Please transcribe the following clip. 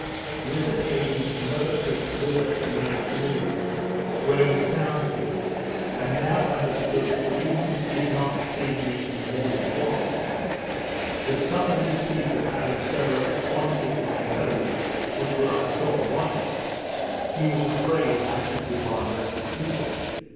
This occasioned another trip thither in the afternoon, where we found him, and now understood that the reason of his not seeing me in the morning was, that some of his people having stolen a quantity of my clothes which were on shore washing, he was afraid I should demand restitution.